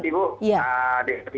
saya adalah kabupaten bu